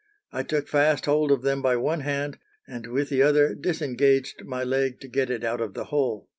I took fast hold of them by one hand, and with the other disengaged my leg to get it out of the hole."